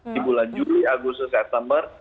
di bulan juli agustus september